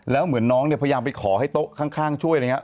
แล้วเหมือนน้องเนี่ยพยายามไปขอให้โต๊ะข้างช่วยอะไรอย่างนี้